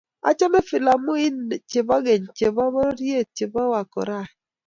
achame filamuit che keny che bo boriet ne bo wakorae.